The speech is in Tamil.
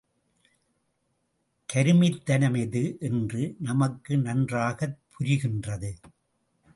கருமித்தனம் எது? —என்று நமக்கு நன்றாகப் புரிகின்றது.